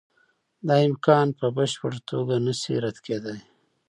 دا امکان په بشپړه توګه نشي رد کېدای.